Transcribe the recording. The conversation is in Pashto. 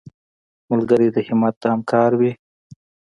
ملګری د همت همکار وي